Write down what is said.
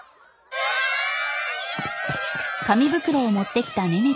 はい。